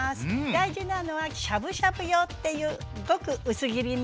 大事なのはしゃぶしゃぶ用っていうごく薄切りね。